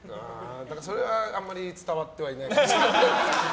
それはあまり伝わってはいないかと。